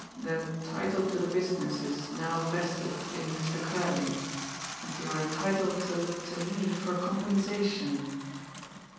"The title to the business is now vested in Mr. Curley, and you are entitled to look to me for compensation.